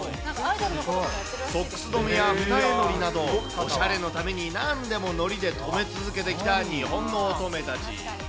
ソックス留めや二重のりなど、おしゃれのためになんでものりで留め続けてきた日本の乙女たち。